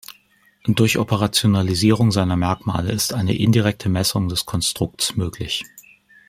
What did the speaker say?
Durch Operationalisierung seiner Merkmale ist eine indirekte Messung des Konstrukts möglich.